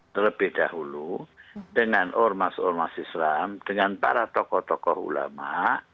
terlebih dahulu dengan ormas ormas islam dengan para tokoh tokoh ulama